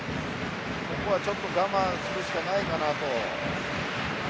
ここはちょっと我慢するしかないかなと。